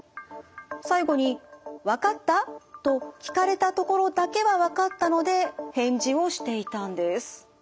最後に「わかった？」と聞かれたところだけはわかったので返事をしていたんです。